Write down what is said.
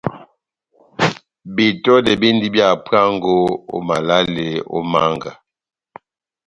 Betɔdɛ bendi bia hapuango ó malale ó mánga.